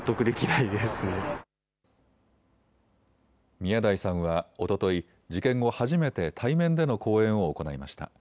宮台さんはおととい事件後、初めて対面での講演を行いました。